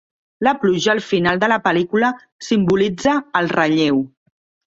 La pluja al final de la pel·lícula simbolitza el relleu.